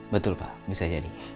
betul pak bisa jadi